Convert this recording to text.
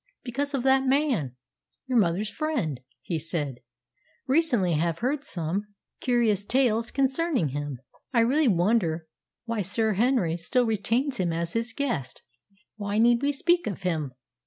"Because of that man your mother's friend," he said. "Recently I have heard some curious tales concerning him. I really wonder why Sir Henry still retains him as his guest." "Why need we speak of him?"